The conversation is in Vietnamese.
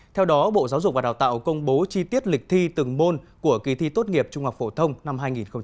theo đó bộ giáo dục và đào tạo công bố chi tiết lịch thi từng môn của kỳ thi tốt nghiệp trung học phổ thông năm hai nghìn hai mươi